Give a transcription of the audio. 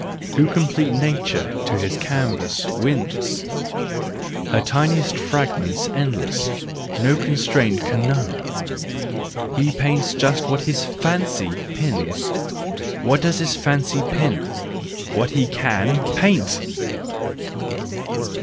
Who complete Nature to his canvas wins ? Her tiniest fragment's endless, no constraint Can know : he paints just what his fancy pins : What does his fancy pin ? What he can paint!